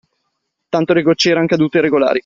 Tanto le gocce eran cadute regolari